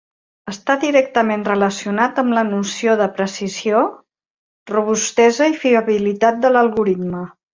Està directament relacionat amb la noció de precisió, robustesa i fiabilitat de l'algoritme.